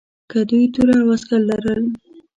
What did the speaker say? که دوی توره او عسکر لرل.